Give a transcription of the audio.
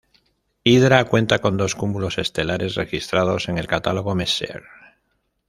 Hidra cuenta con dos cúmulos estelares registrados en el catálogo Messier.